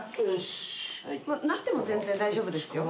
なっても全然大丈夫ですよ。